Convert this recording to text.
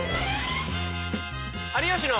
「有吉の」。